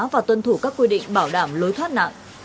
và tuân thủ các quy định bảo đảm lối thoát nạn